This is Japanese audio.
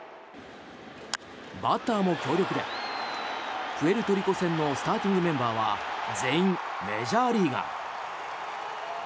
バッターも強力でプエルトリコ戦のスターティングメンバーは全員メジャーリーガー。